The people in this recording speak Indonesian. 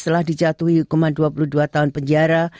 telah dijatuhi hukuman dua puluh dua tahun penjara